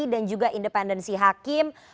dan juga independensi hakim